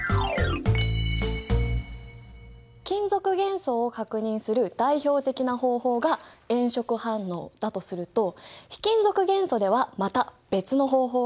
金属元素を確認する代表的な方法が炎色反応だとすると非金属元素ではまた別の方法もあるんだ。